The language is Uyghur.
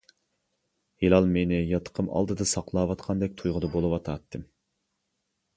ھىلال مېنى ياتىقىم ئالدىدا ساقلاۋاتقاندەك تۇيغۇدا بولۇۋاتاتتىم.